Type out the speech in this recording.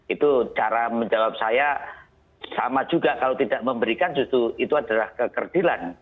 itu cara menjawab saya sama juga kalau tidak memberikan justru itu adalah kekerdilan